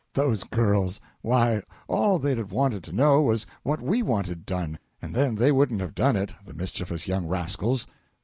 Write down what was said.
Those girls why, all they'd have wanted to know was what we wanted done, and then they wouldn't have done it the mischievous young rascals!